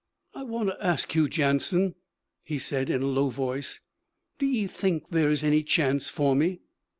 'I want to ask you, Jansen,' he said in a low voice. 'D'ye think there is any chance for me?'